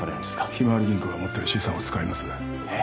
ひまわり銀行が持ってる資産を使いますえっ？